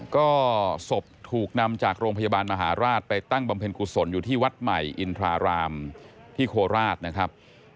ก็ศพถูกนำจากโรงพยาบาลมหาราชไปตั้งบำเพ็ญกุศลอยู่ที่วัดใหม่อินทรารามที่โคราชนะครับ